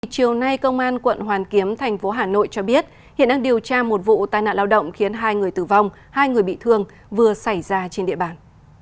chiều nay công an quận hoàn kiếm thành phố hà nội cho biết hiện đang điều tra một vụ tai nạn lao động khiến hai người tử vong hai người bị thương vừa xảy ra trên địa bàn